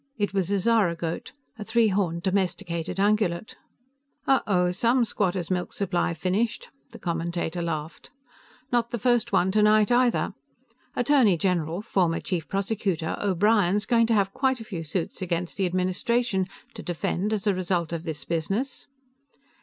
It was a zaragoat, a three horned domesticated ungulate. "Oh Oh! Some squatter's milk supply finished." The commentator laughed. "Not the first one tonight either. Attorney General former Chief Prosecutor O'Brien's going to have quite a few suits against the administration to defend as a result of this business."